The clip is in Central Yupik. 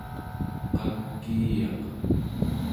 qakiiyaq